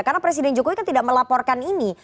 karena presiden jokowi kan tidak melaporkan ini